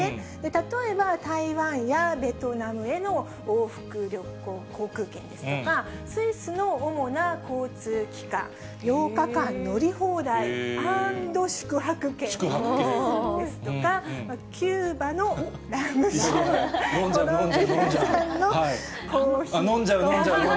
例えば台湾やベトナムへの往復旅行航空券ですとか、スイスの主な交通機関８日間乗り放題＆宿泊券ですとか、キューバのラム酒、飲んじゃう、飲んじゃう。